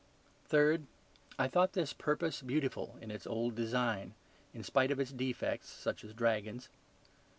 Third, I thought this purpose beautiful in its old design, in spite of its defects, such as dragons.